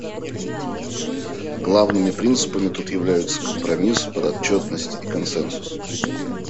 Главными принципами тут являются компромисс, подотчетность и консенсус.